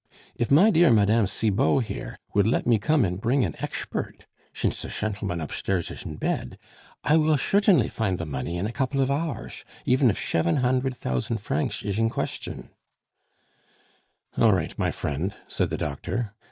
"If my dear Mme. Cibot, here, would let me come and bring an ekshpert (shinsh the shentleman upshtairs ish in bed), I will shertainly find the money in a couple of hoursh, even if sheven hundred thousand francsh ish in queshtion " "All right, my friend," said the doctor.